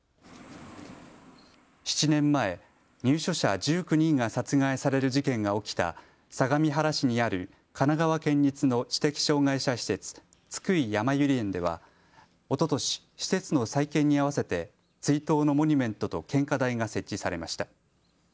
７年前、入所者１９人が殺害される事件が起きた相模原市にある神奈川県立の知的障害者施設、津久井やまゆり園ではおととし施設の再建にあわせて追悼のモニュメントと献花台が設置されました。